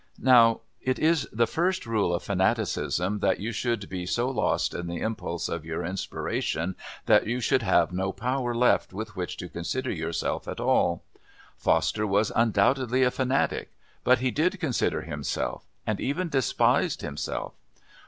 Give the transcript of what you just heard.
Now it is the first rule of fanaticism that you should be so lost in the impulse of your inspiration that you should have no power left with which to consider yourself at all. Foster was undoubtedly a fanatic, but he did consider himself and even despised himself.